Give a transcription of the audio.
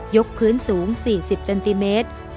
พื้นสูง๔๐เซนติเมตร